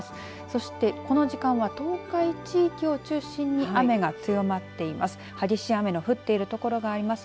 そしてこの時間は東海地域を中心に雨が強まっています。